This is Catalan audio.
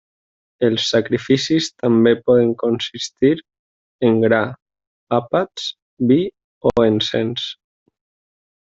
Els sacrificis també poden consistir en gra, àpats, vi o encens.